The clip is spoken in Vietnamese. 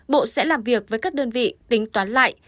bộ sẽ làm việc với các đơn vị tính toán lại